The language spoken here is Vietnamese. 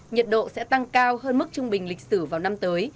nhiệt độ sẽ tăng cao hơn mức trung bình lịch sử vào năm tới